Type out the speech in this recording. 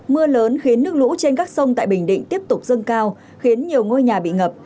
mưa lớn khiến nước lũ trên các sông tại bình định tiếp tục dâng cao khiến nhiều ngôi nhà bị ngập